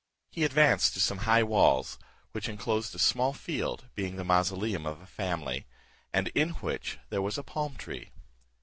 He advanced to some high walls, which enclosed a small field, being the mausoleum of a family, and in which there was a palm tree.